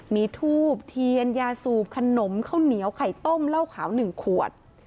มีทูบเทียนยาสูบขนมข้าวเหนียวไข่ต้มเหล้าขาว๑ขวด